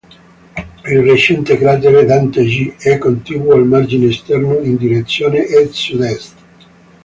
Il recente cratere "Dante G" è contiguo al margine esterno in direzione est-sud-est.